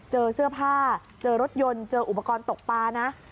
เจอเสื้อผ้าเจอรถยนต์เจออุปกรณ์ตกปลานะ